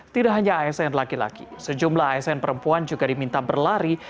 tidak hanya asn laki laki sejumlah asn perempuan juga diminta berlari